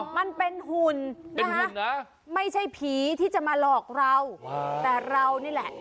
มันเป็นหุ่นนะคะไม่ใช่ผีที่จะมาหลอกเราแต่เรานี่แหละ